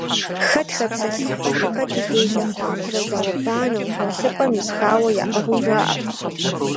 Хэт хэпсэлъыхьу, хэти делэ хъупарэ зауэ-банэу, гъуэлъыпӏэм ипхауэ яӏыгъыу жаӏэрт.